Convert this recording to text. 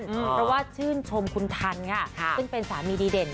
เพราะว่าชื่นชมคุณทันค่ะซึ่งเป็นสามีดีเด่น